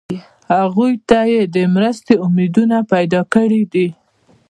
هغوی ته یې د مرستې امیدونه پیدا کړي دي.